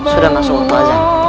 sudah masuk untuk azan